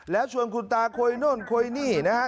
แล้วชวนคุณตาคุยโน่นคุยนี่นะฮะ